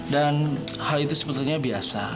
dan hal itu sebetulnya biasa